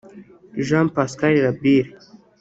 Jean Pascal Labille